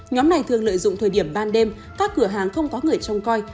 nhóm này thường lợi dụng thời điểm ban đêm các cửa hàng không có người trông coi